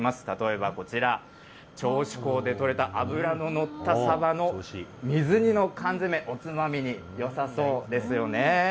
例えばこちら、銚子港で取れた脂の乗ったさばの水煮の缶詰、おつまみによさそうですよね。